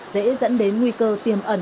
dễ dẫn đến nguy cơ tìm ẩn